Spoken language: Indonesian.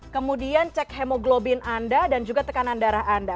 kemudian cek hemoglobin anda dan juga tekanan darah anda